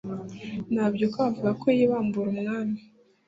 Ntabyuka bavugako yibambura umwami